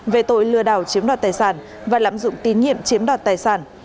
về tội lừa đảo chiếm đoạt tài sản và lạm dụng tín nhiệm chiếm đoạt tài sản